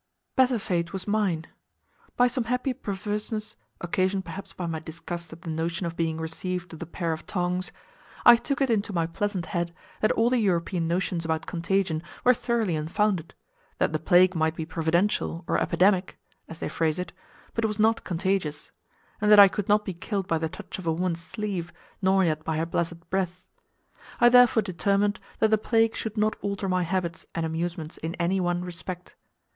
Better fate was mine. By some happy perverseness (occasioned perhaps by my disgust at the notion of being received with a pair of tongs) I took it into my pleasant head that all the European notions about contagion were thoroughly unfounded; that the plague might be providential or "epidemic" (as they phrase it), but was not contagious; and that I could not be killed by the touch of a woman's sleeve, nor yet by her blessed breath. I therefore determined that the plague should not alter my habits and amusements in any one respect.